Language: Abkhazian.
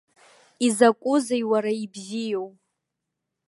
Изакәызеи, уара, ибзиоу?